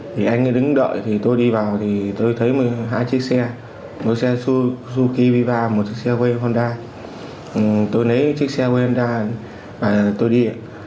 thì anh đứng đợi thì tôi đi vào thì tôi thấy hai chiếc xe một chiếc xe suzuki viva một chiếc xe way honda tôi lấy chiếc xe way honda và tôi đi